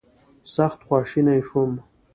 سخت خواشینی شوم.